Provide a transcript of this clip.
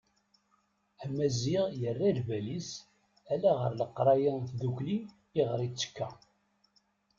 Maziɣ yerra lbal-is ala ɣer leqraya d tdukkli iɣer ittekki.